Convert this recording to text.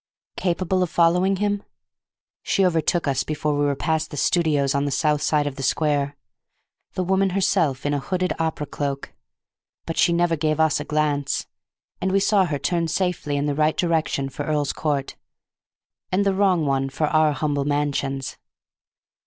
Capable of following him? She overtook us before we were past the studios on the south side of the square, the woman herself, in a hooded opera cloak. But she never gave us a glance, and we saw her turn safely in the right direction for Earl's Court, and the wrong one for our humble mansions.